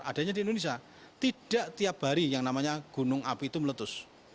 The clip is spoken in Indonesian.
adanya di indonesia tidak tiap hari yang namanya gunung api itu meletus